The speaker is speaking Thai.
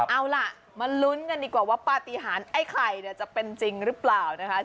เอาล่ะมาลุ้นกันดีกว่าว่าปฏิหารไอ้ไข่จะเป็นจริงหรือเปล่านะคะ